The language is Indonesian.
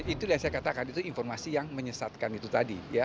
itu yang saya katakan itu informasi yang menyesatkan itu tadi